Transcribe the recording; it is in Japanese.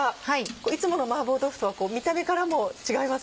いつもの麻婆豆腐とは見た目からも違いますね。